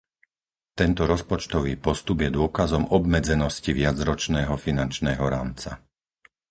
Tento rozpočtový postup je dôkazom obmedzenosti viacročného finančného rámca.